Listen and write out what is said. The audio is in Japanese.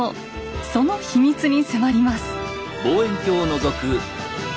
その秘密に迫ります。